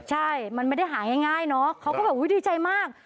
ใช่มันไม่ได้หายง่ายเขาก็ดีใจมาก